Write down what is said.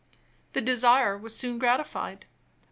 The desire was soon gratified.